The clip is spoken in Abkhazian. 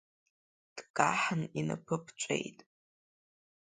Дкаҳан инапы ԥҵәеит.